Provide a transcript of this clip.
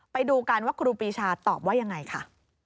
ไปดูกันว่าครูปีชาตอบว่ายังไงค่ะ